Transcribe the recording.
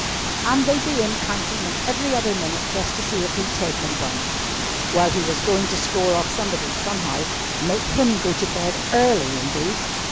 And they'd be in counting them every other minute just to see if he'd taken one. Well, he was going to score off somebody, somehow. Make him go to bed early indeed!